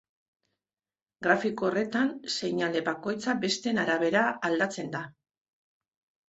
Grafiko horretan seinale bakoitza besteen arabera aldatzen da.